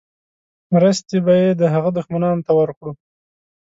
مرستې به یې د هغه دښمنانو ته ورکړو.